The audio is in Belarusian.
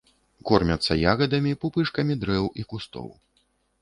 Корміцца ягадамі, пупышкамі дрэў і кустоў.